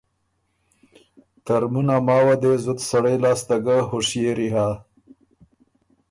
ترمُن ا ماوه دې زُت سړئ لاسته ګۀ هوشيېری هۀ